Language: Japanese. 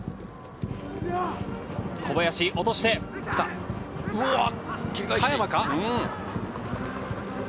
小林、落として、香山か？